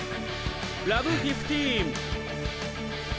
ラブ・フィフティーン！